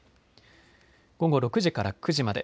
午後６時から９時まで。